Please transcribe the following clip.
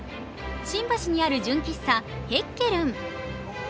新橋にある純喫茶ヘッケルン。